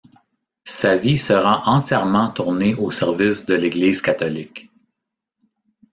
Sa vie sera entièrement tournée au service de l'Église catholique.